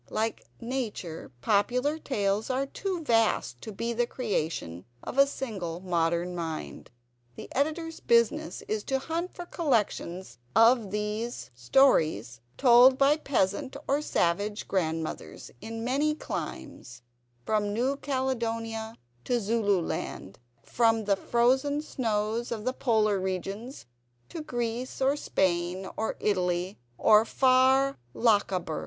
Like nature, popular tales are too vast to be the creation of a single modern mind. The Editor's business is to hunt for collections of these stories told by peasant or savage grandmothers in many climes, from New Caledonia to Zululand; from the frozen snows of the Polar regions to Greece, or Spain, or Italy, or far Lochaber.